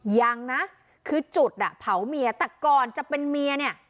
ยังนะคือจุดอ่ะเผาเมียแต่ก่อนจะเป็นเมียเนี่ย